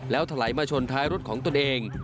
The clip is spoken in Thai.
แล้วถลายมาชนท้ายรถของตนเอง